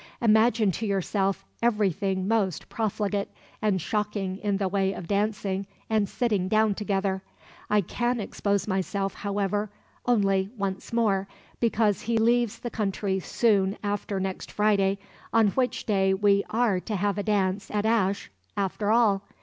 Imagine to yourself everything most profligate and shocking in the way of dancing and sitting down together. I can expose myself, however, only once more, because he leaves the country soon after next Friday, on which day we are to have a dance at Ashe after all.